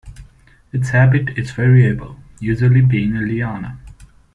Its habit is variable, usually being a liana.